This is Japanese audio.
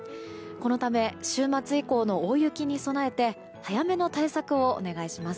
このため、週末以降の大雪に備えて早めの対策をお願いします。